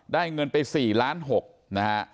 เงินไป๔ล้าน๖นะฮะ